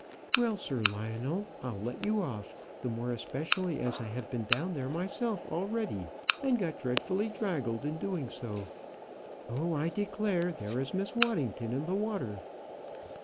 "Well, Sir Lionel, I'll let you off; the more especially as I have been down there myself already, and got dreadfully draggled in doing so. Oh! I declare, there is Miss Waddington in the water."